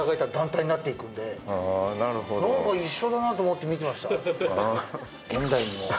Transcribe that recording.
なんか一緒だなと思って見てました。